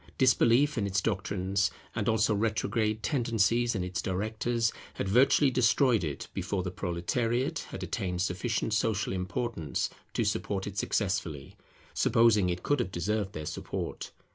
Disbelief in its doctrines, and also retrograde tendencies in its directors, had virtually destroyed it, before the Proletariate had attained sufficient social importance to support it successfully, supposing it could have deserved their support.